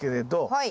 はい。